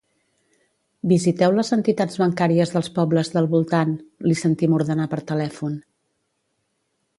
Visiteu les entitats bancàries dels pobles del voltant —li sentim ordenar per telèfon—.